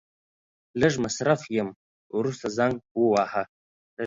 لږ مصرف يم ورسته زنګ وواهه.